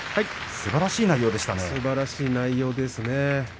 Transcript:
すばらしい内容ですね。